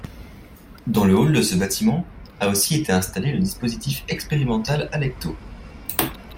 Dans le hall de ce bâtiment a aussi été installé le dispositif expérimental Alecto.